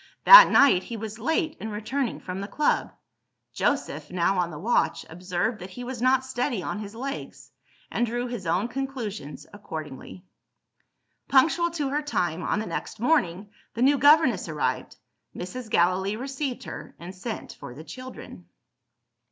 That night, he was late in returning from the club. Joseph (now on the watch) observed that he was not steady on his legs and drew his own conclusions accordingly. Punctual to her time, on the next morning, the new governess arrived. Mrs. Gallilee received her, and sent for the children.